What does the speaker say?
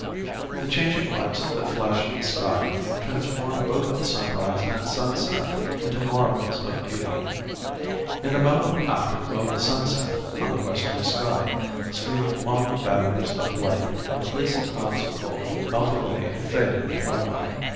The changing lights that flash in the sky transform both the sunrise and sunset into marvels of beauty. In the mellow afterglow of the sunset, on the western sky, stream long banners of light, and fleecy clouds of gold melt away and fade in the twilight.